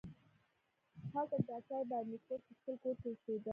هلته ډاکټر بارنیکوټ په خپل کور کې اوسیده.